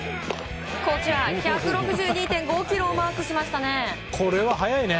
１６２．５キロをマークしましたね。